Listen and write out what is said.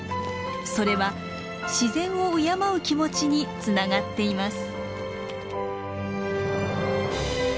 それは自然を敬う気持ちにつながっています。